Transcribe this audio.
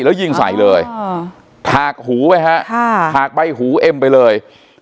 แล้วยิงใส่เลยอ่าถากหูไว้ฮะค่ะถากไปหูเอ็มไปเลย